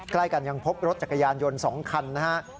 ใกล้กันยังพบรถจักรยานยนต์๒คันนะฮะ